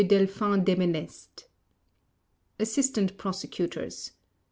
Delphin Debenest ASSISTANT PROSECUTORS: M.